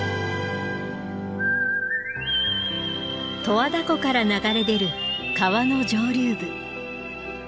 十和田湖から流れ出る川の上流部。